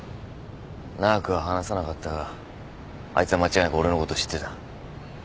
長くは話さなかったがあいつは間違いなく俺のこと知ってた。